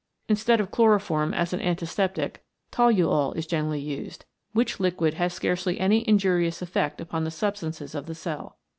Instead of chloro form as an antiseptic toluol is generally used, which liquid has scarcely any injurious effect upon the substances of the cell.